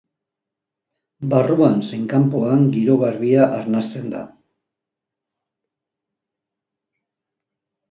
Barruan zein kanpoan giro garbia arnasten da.